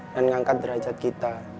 dan ngangkat derajat kita